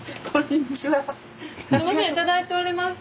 すいません頂いております。